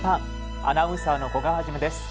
アナウンサーの古賀一です。